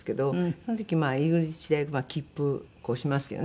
その時入り口で切符こうしますよね